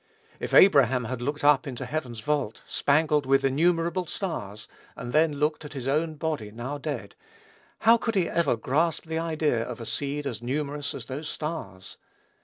If Abraham had looked up into heaven's vault, spangled with innumerable stars, and then looked at "his own body now dead," how could he ever grasp the idea of a seed as numerous as those stars?